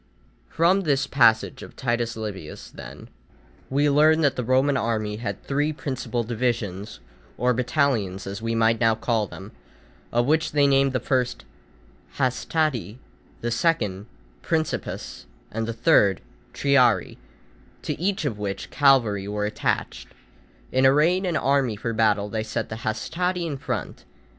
From this passage of Titus Livius, then, we learn that the Roman army had three principal divisions, or battalions as we might now call them, of which they named the first hastati, the second principes, and the third triarii, to each of which cavalry were attached. In arraying an army for battle they set the hastati in front.